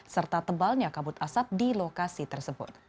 serta tebalnya kabut asap di lokasi tersebut